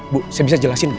bu saya bisa jelasin